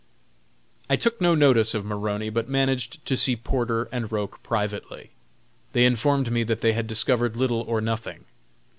I took no notice of Maroney, but managed to see Porter and Roch privately. They informed me that they had discovered little or nothing.